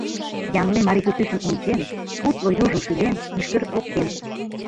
Ямле марий пӱртӱсым ончен, тутло южым шӱлен, мӱшкыр ок тем.